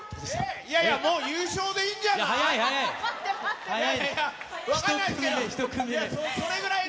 いやいや、もう優勝でいいん早い、早い。